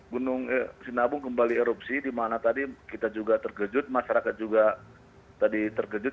gunung sinabung kembali erupsi di mana tadi kita juga tergejut masyarakat juga tadi tergejut